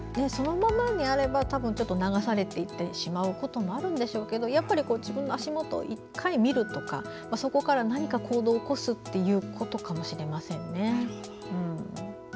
そのままであれば流されていってしまうこともあるんでしょうが自分の足元を１回見るとかそこから何か行動を起こすことなのかもしれませんね。